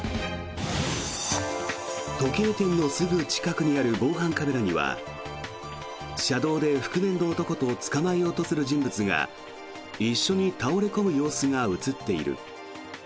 時計店のすぐ近くにある防犯カメラには車道で覆面の男と捕まえようとする人物が一緒に倒れ込む様子が映っている。